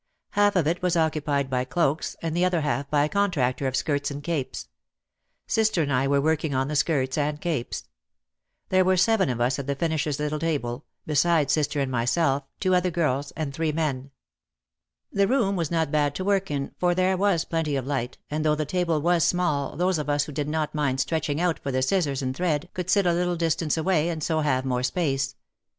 Half of it was occupied by cloaks and the other half by a contractor of skirts and capes. Sister and I were working on the skirts and capes. There were seven of us at the finishers' little table, besides sister and myself two other girls and three men. The room was not bad to work in, for there was plenty of light and 273 274 OUT OF THE SHADOW though the table was small those of us who did not mind stretching out for the scissors and thread could sit a little distance away and so have more space.